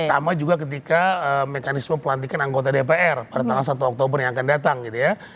sama juga ketika mekanisme pelantikan anggota dpr pada tanggal satu oktober yang akan datang gitu ya